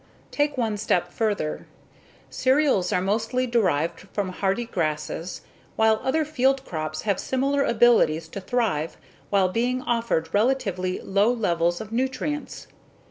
Take one step further. Cereals are mostly derived from hardy grasses while other field crops have similar abilities to thrive while being offered relatively low levels of nutrients.